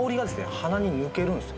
鼻に抜けるんですよ